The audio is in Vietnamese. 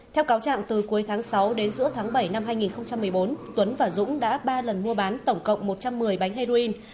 theo cáo trạng từ cuối tháng sáu đến giữa tháng bảy năm hai nghìn một mươi bốn tuấn và dũng đã ba lần mua bán tổng cộng một trăm một mươi bánh heroin